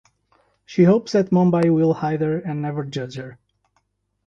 She hopes that Mumbai will hide her and never judge her.